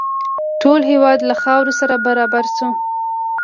ټول هېواد له خاورو سره برابر شو.